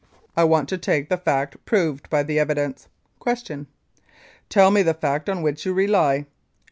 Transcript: A. I want to take the fact proved by the evidence. Q. Tell me the fact on which you rely.